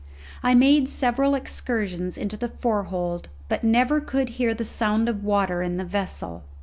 I made several excursions into the fore hold, but never could hear the sound of water in the vessel.